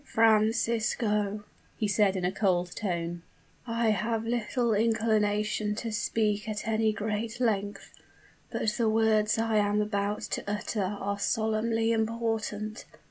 "Francisco," he said, in a cold tone, "I have little inclination to speak at any great length; but the words I am about to utter are solemnly important.